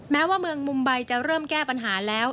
แม้ว่าเมืองมุมใบจะเริ่มแก้ปัญหาแล้ว